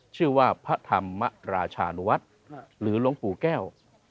ชื่อว่าพระธรรมราชาณวัตรหรือล้องปู่แก้ว